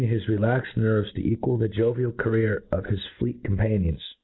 us his relaxed nerves to equal the jovial career of his fleet companions.